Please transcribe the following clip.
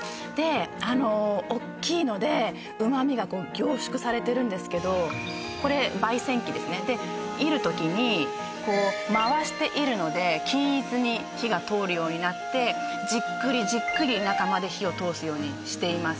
あのおっきいので旨味がこう凝縮されてるんですけどこれ焙煎機ですね煎る時にこう回して煎るので均一に火が通るようになってじっくりじっくり中まで火を通すようにしています